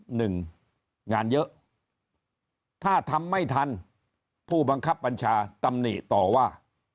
หนึ่งงานเยอะถ้าทำไม่ทันผู้บังคับบัญชาตำหนิต่อว่า